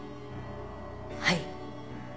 はい。